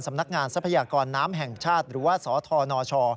สำนักงานทรัพยากรน้ำแห่งชาติหรือว่าสธนช